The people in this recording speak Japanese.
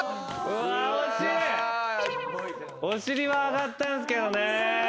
お尻は上がったんすけどね。